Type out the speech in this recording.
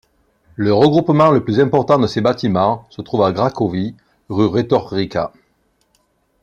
Le regroupement le plus important de ses bâtiments se trouve à Cracovie, rue Retoryka.